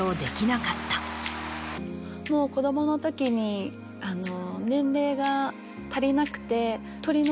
もう子供のときに年齢が足りなくて。